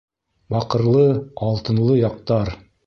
Баҡырлы, алтынлы яҡтар!